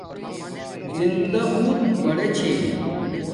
زندݳ بوت بڑے چھے